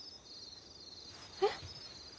えっ？